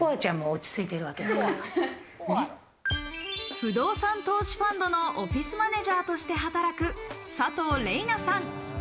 不動産投資ファンドのオフィスマネジャーとして働く、佐藤れいなさん。